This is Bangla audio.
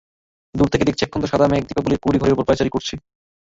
দূর থেকে দেখছি একখণ্ড সাদা মেঘ দীপালিদের কুড়ে ঘরের ওপর পায়চারি করছে।